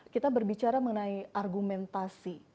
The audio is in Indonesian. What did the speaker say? kita berbicara mengenai argumentasi